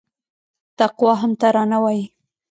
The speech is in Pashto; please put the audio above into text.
تقوا هم ترانه وايي